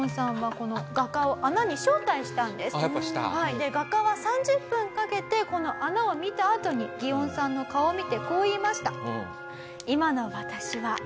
で画家は３０分かけてこの穴を見たあとにギオンさんの顔を見てこう言いました。